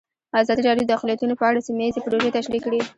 ازادي راډیو د اقلیتونه په اړه سیمه ییزې پروژې تشریح کړې.